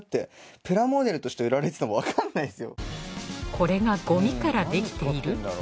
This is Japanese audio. これがゴミからできている？